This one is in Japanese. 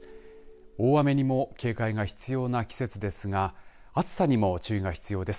大雨にも警戒が必要な季節ですが暑さにも注意が必要です。